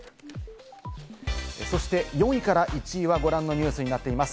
そして４位から１位はご覧のニュースになっています。